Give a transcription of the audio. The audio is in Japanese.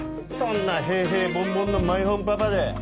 そんな平々凡々のマイホームパパで。